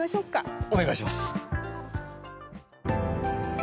お願いします。